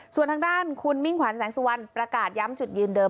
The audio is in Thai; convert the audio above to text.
ส่วนทางด้านคุณมิ่งขวัญแสงสุวรรณประกาศย้ำจุดยืนเดิม